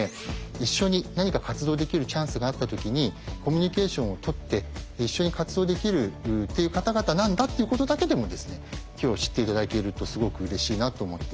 一緒に何か活動できるチャンスがあったときにコミュニケーションをとって一緒に活動できる方々なんだっていうことだけでもですね今日知って頂けるとすごくうれしいなと思っています。